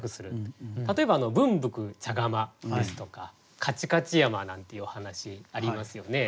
例えば「文福茶釜」ですとか「かちかち山」なんていうお話ありますよね。